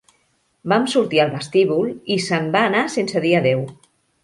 Vam sortir al vestíbul i se'n va anar sense dir adeu.